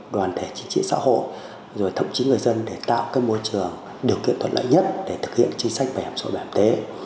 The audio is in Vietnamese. đoàn thể chính trị xã hội rồi thậm chí người dân để tạo cái môi trường điều kiện thuận lợi nhất để thực hiện chính sách bảo hiểm xã hội bảo hiểm y tế